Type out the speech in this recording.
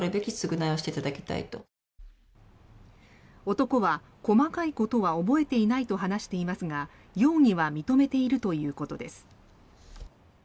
男は細かいことは覚えていないと話していますが容疑は認めているということです。